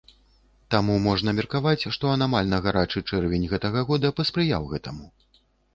Таму можна меркаваць, што анамальна гарачы чэрвень гэтага года паспрыяў гэтаму.